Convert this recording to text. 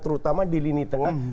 terutama di lini tengah